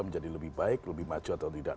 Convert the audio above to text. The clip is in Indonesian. menjadi lebih baik lebih maju atau tidak